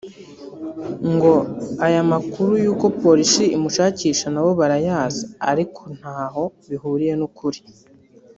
ngo aya makuru y’uko Polisi imushakisha na bo barayazi ariko ngo ntaho bihuriye n’ukuri